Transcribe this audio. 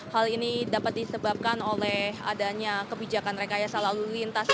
hal ini dapat disebabkan oleh adanya kebijakan rekayasa lalu lintas